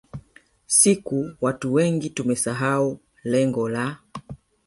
siku watu wengi tumesahau lengo la